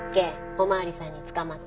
お巡りさんに捕まって。